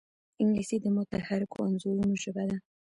انګلیسي د متحرکو انځورونو ژبه ده